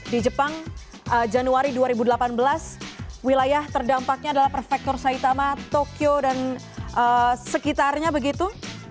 di jepang januari dua ribu delapan belas wilayah terdampaknya adalah prefektor saitama tokyo dan sekitarnya begitu